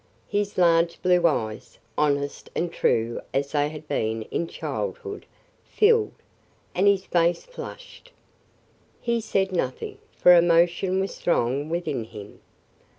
His large blue eyes, honest and true as they had been in childhood, filled, and his face flushed. He said nothing, for emotion was strong within him.